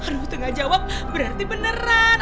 aduh tuh gak jawab berarti beneran